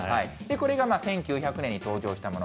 これが１９００年に登場したもの。